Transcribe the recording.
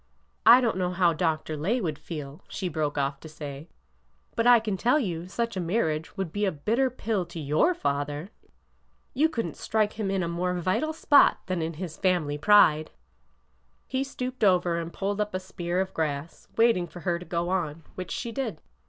I don't know how Dr. Lay would feel," she broke off to say ;'' but I can tell you such a marriage would be a bitter pill to your father ! You could n't strike him in a more vital spot than in his family pride !" He stooped over and pulled up a spear of grass, wait ing for her to go on, which she did.